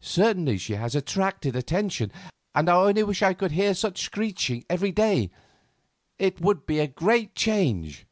"Certainly she has attracted my attention, and I only wish I could hear such screeching every day; it would be a great change."